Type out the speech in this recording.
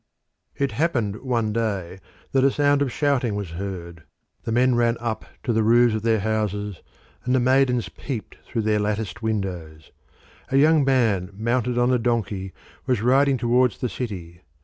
It happened one day that a sound of shouting was heard; the men ran up to the roofs of their houses, and the maidens peeped through their latticed windows. A young man mounted on a donkey was riding towards the city.